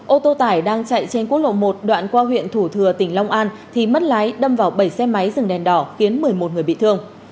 ô tô tải đang chạy trên quốc lộ một đoạn qua huyện thủ thừa tỉnh long an thì mất lái đâm vào bảy xe máy dừng đèn đỏ khiến một mươi một người bị thương